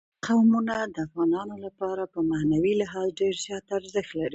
قومونه د افغانانو لپاره په معنوي لحاظ ډېر زیات ارزښت لري.